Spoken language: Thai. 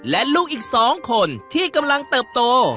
และลูกอีก๒คนที่กำลังเติบโต